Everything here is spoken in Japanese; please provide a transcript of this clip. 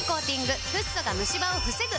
フッ素がムシ歯を防ぐ！